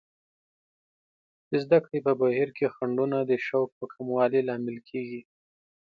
د زده کړې په بهیر کې خنډونه د شوق په کموالي لامل کیږي.